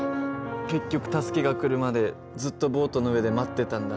結局助けが来るまでずっとボートの上で待ってたんだ。